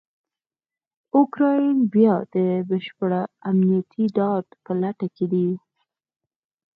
اوکرایین بیا دبشپړامنیتي ډاډ په لټه کې دی.